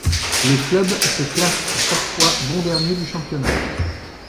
Le club se classe à chaque fois bon dernier du championnat.